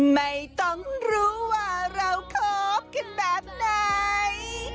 ไม่ต้องรู้ว่าเราคบกันแบบไหน